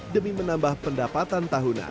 demi menambah pendapatan tahunan